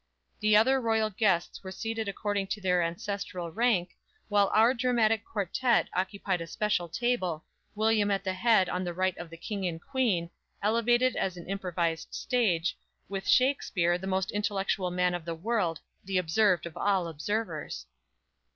The other royal guests were seated according to their ancestral rank, while our dramatic quartette occupied a special table, William at the head on the right of the King and Queen, elevated as an improvised stage, with Shakspere, the most intellectual man of the world, "the observed of all observers!"